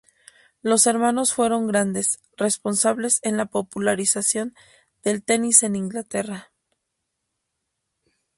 Los hermanos fueron grandes responsables en la popularización del tenis en Inglaterra.